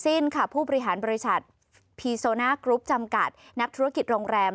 สิ้นค่ะผู้บริหารบริษัทพีโซน่ากรุ๊ปจำกัดนักธุรกิจโรงแรม